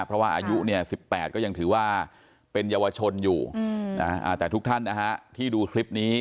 เพราะว่าอายุเนี่ย๑๘ก็ยังถือว่าเป็นเยาวชนอยู่แต่ทุกท่านนะฮะที่ดูคลิปนี้